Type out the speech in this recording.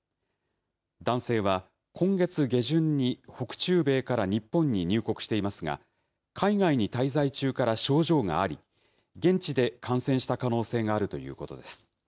男性は、今月下旬に北中米から日本に入国していますが、海外に滞在中から症状があり、現地で感染した可能性があるということです。